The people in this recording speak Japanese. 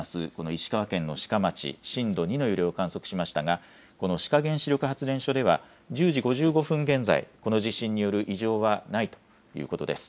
石川県の志賀町、震度２の揺れを観測しましたがこの志賀原子力発電所では１０時５５分現在、この地震による異常はないということです。